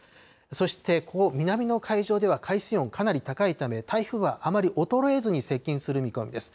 そして南の海上では海水温、かなり高いため、台風はあまり衰えずに接近する見込みです。